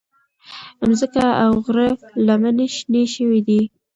مځکه او غره لمنې شنې شوې دي.